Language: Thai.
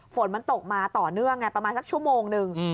ฝนมันตกมาต่อเนื่องไงประมาณสักชั่วโมงนึง